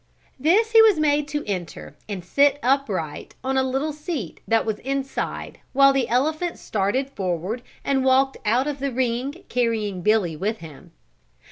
This he was made to enter and sit upright on a little seat that was inside while the elephant started forward and walked out of the ring carrying Billy with him.